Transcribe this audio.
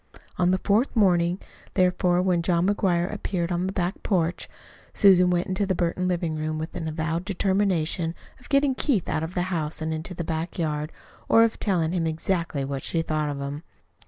On the fourth morning, therefore, when John McGuire appeared on the back porch, Susan went into the Burton living room with the avowed determination of getting Keith out of the house and into the back yard, or of telling him exactly what she thought of him.